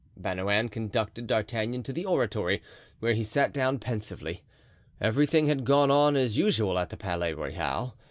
Bernouin conducted D'Artagnan to the oratory, where he sat down pensively. Everything had gone on as usual at the Palais Royal.